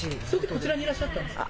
こちらにいらっしゃったんですか。